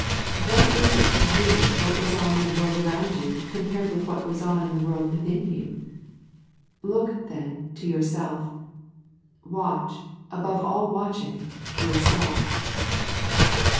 What is it to you what goes on in the world around you compared with what goes on in the world within you? Look, then, to yourself. Watch, above all watching, yourself.